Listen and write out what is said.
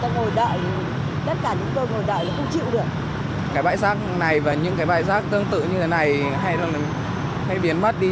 ta ngồi đợi tất cả chúng tôi ngồi đợi là không chịu được cái bãi rác này và những cái bãi rác tương tự như thế này hay biến mất đi